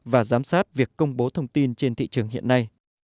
và giám sát việc công bố thông tin trên thị trường hiện nay